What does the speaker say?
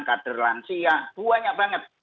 kader lansia banyak banget